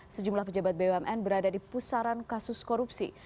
sejumlah pejabat bumn berada di pusaran kasus korupsi